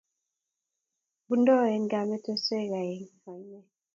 bundoen keimeteswek oeng' oine